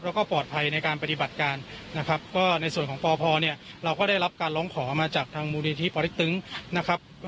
แล้วก็ปลอดภัยในการปฏิบัติการนะครับก็ในส่วนของปพเนี่ยเราก็ได้รับการร้องขอมาจากทางมูลนิธิปอเล็กตึงนะครับ